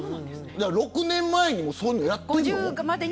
６年前にそういうのやってるの。